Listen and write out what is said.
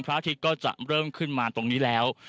อาทิตย์ก็จะเริ่มขึ้นมาตรงนี้แล้ว